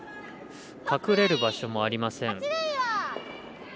隠れる場所もありません。